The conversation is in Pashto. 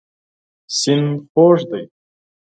سیند خوږ دی.